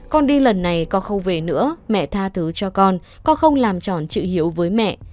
con đi lần này con không về nữa mẹ tha thứ cho con con không làm tròn trự hiểu với mẹ